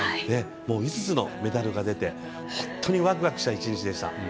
５つのメダルが出て本当にワクワクした１日でした。